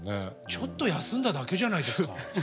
ちょっと休んだだけじゃないですか。